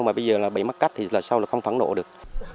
mà bây giờ bị mắc cách thì sao là không phản nộ được